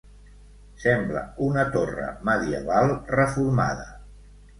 Sembla una torre medieval reformada.